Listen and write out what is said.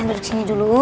rena duduk sini dulu